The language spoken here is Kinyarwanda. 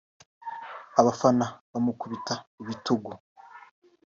abafana bamukubita ibitugu